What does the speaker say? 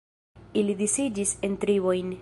Ili disiĝis en tribojn.